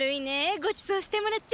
ごちそうしてもらっちゃって！